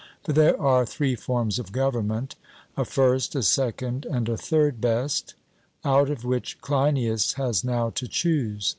For there are three forms of government, a first, a second, and a third best, out of which Cleinias has now to choose.